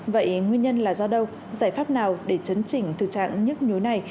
vậy nguyên nhân là do đâu giải pháp nào để chấn chỉnh thực trạng nhức nhối này